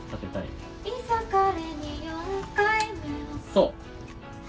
そう。